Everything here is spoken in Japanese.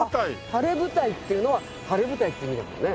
「ｈａｒｅｖｕｔａｉ」っていうのは「晴れ舞台」っていう意味だもんね。